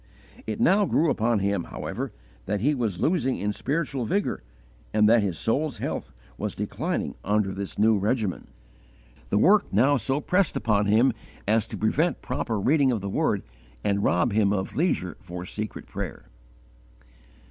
It now grew upon him, however, that he was losing in spiritual vigour, and that his soul's health was declining under this new regimen. The work now so pressed upon him as to prevent proper reading of the Word and rob him of leisure for secret prayer.